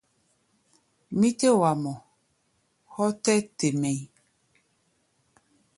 Mí tɛ́ wa mɔ hɔ́ tɛ́ te mɛʼí̧.